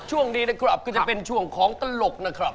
ช่วงนี้นะครับก็จะเป็นช่วงของตลกนะครับ